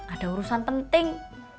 ada urusan penting